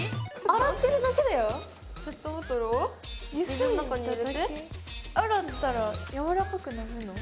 洗ったらやわらかくなるの？